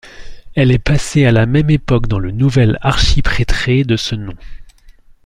Elle est passée à la même époque dans le nouvel archiprêtré de ce nom.